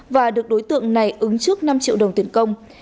và được đối tượng này ứng trước năm triệu đồng tiền công